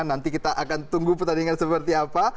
nanti kita akan tunggu pertandingan seperti apa